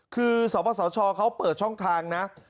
คือสปสชเขาเปิดช่องทางนะ